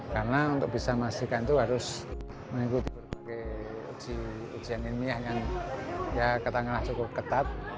karena untuk bisa memastikan itu harus mengikuti berbagai ujian ilmiah yang ya katakanlah cukup ketat